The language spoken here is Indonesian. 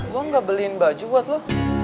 lo nggak beliin baju buat lo